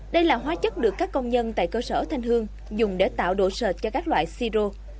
đây là hóa chất được các công nhân tại cơ sở thanh hương dùng để tạo đồ sệt cho các loại si rô